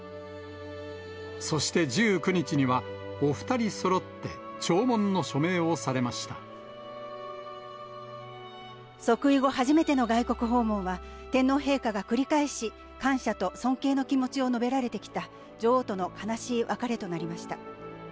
そして１９日には、お２人そろって、即位後初めての外国訪問は、天皇陛下が繰り返し、感謝と尊敬の気持ちを述べられてきた女王との悲しい別れとなりま